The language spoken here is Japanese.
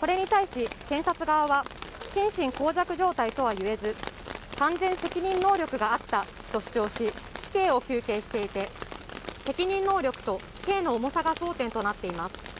これに対し検察側は心神耗弱状態とは言えず完全責任能力があったと主張し死刑を求刑していて責任能力と刑の重さが争点となっています